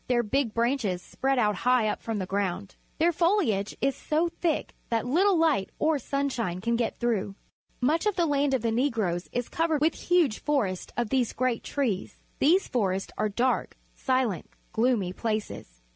Their big branches spread out high up from the ground. Their foliage is so thick that little light or sunshine can get through. Much of the land of the Negroes is covered with huge forests of these great trees. These forests are dark, silent, gloomy places.